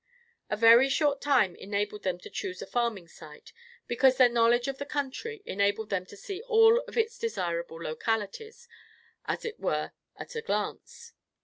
A very short time enabled them to choose a farming site, because their knowledge of the country enabled them to see all of its desirable localities, as it were at a glance.